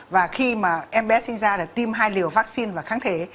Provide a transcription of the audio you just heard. và khi mà em bé sinh ra là tiêm hai liều vaccine và kháng thể